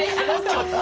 ちょっと。